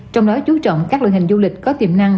trong đó chú trọng các loại hình du lịch có tiềm năng